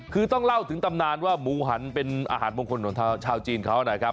คือต้องเล่าถึงตำนานว่าหมูหันเป็นอาหารมงคลของชาวจีนเขานะครับ